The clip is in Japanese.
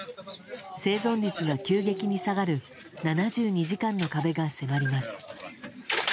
生存率が急激に下がる７２時間の壁が迫ります。